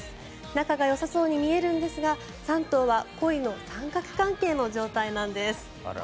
仲がよさそうに見えるんですが３頭は恋の三角関係の状態なんです。